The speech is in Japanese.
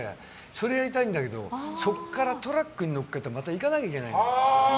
それをやりたいんだけどそこからトラックに載っけてまた行かなきゃいけないの。